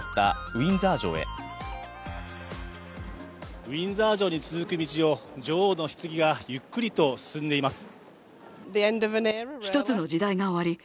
ウィンザー城に続く道を女王のひつぎがゆっくりと進んでいます。